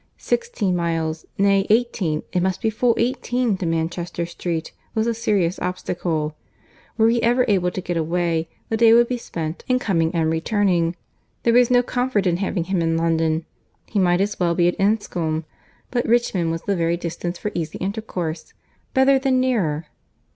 Sixteen miles—nay, eighteen—it must be full eighteen to Manchester street—was a serious obstacle. Were he ever able to get away, the day would be spent in coming and returning. There was no comfort in having him in London; he might as well be at Enscombe; but Richmond was the very distance for easy intercourse. Better than nearer!